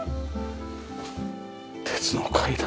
鉄の階段